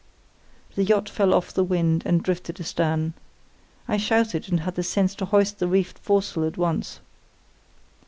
The yacht fell off the wind, and drifted astern. I shouted, and had the sense to hoist the reefed foresail at once.